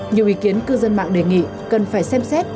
nhiều ý kiến cư dân mạng đề nghị cần phải xem xét